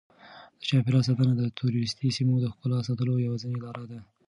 د چاپیریال ساتنه د توریستي سیمو د ښکلا د ساتلو یوازینۍ لاره ده.